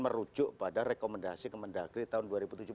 merujuk pada rekomendasi kemendagri tahun dua ribu tujuh belas